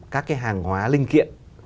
các cái hàng hóa linh kiện